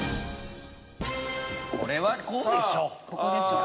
これはこうでしょ。